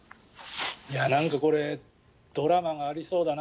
なんか、これドラマがありそうだな。